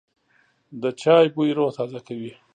د چای بوی روح تازه کوي.